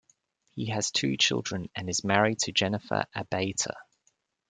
He has two children and is married to Jennifer Abeyta.